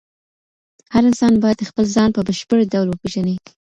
هر انسان باید خپل ځان په بشپړ ډول وپیژني.